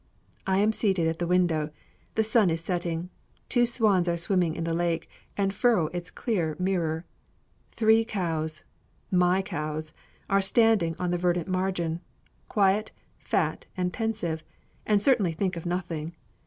I am seated at the window. The sun is setting. Two swans are swimming in the lake, and furrow its clear mirror. Three cows my cows are standing on the verdant margin, quiet, fat, and pensive, and certainly think of nothing.